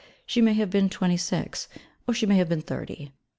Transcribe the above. She may have been twenty six: or she may have been thirty.